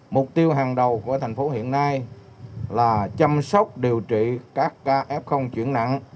mục tiêu hàng đầu của thành phố hiện nay là chăm sóc điều trị các ca f chuyển nặng